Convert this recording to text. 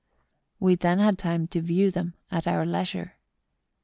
We then had time to view them at our leisure.